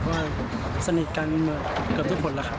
เพราะสนิทกันเกือบทุกคนแล้วค่ะ